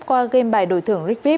qua gây bài đổi thường rigvip